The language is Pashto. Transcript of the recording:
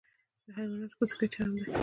د حیواناتو پوستکی چرم دی